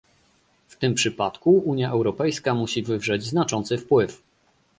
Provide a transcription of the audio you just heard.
W tym przypadku Unia Europejska musi wywrzeć znaczący wpływ